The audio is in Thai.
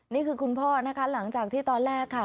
นี่คือคุณพ่อนะคะหลังจากที่ตอนแรกค่ะ